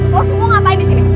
lu semua ngapain disini